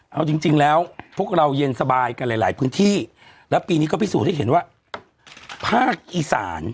เอาจริงแล้วพวกเราเย็นสบายกันหลายพื้นที่แล้วปีนี้ก็พิสูจนให้เห็นว่าภาคอีสาน